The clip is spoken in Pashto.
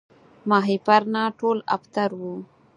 ماهیپر نه ټول ابتر وو